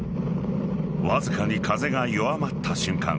わずかに風が弱まった瞬間